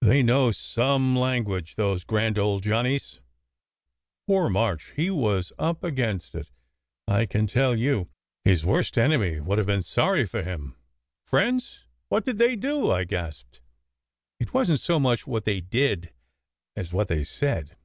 They know some language, those grand old Johnnies ! Poor March ! He was up against it, I can tell you. His worst enemy would have been sorry for him." " Fiends ! What did they do? " I gasped. "It wasn t so much what they did as what they said.